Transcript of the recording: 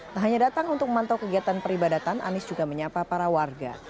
tak hanya datang untuk memantau kegiatan peribadatan anies juga menyapa para warga